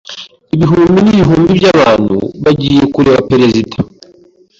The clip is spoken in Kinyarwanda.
Ibihumbi n’ibihumbi by'abantu bagiye kureba Perezida.